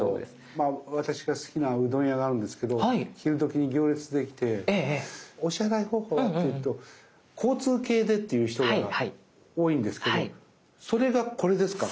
私が好きなうどん屋があるんですけど昼どきに行列できて「お支払い方法は？」っていうと「交通系で」って言う人が多いんですけどそれがこれですか？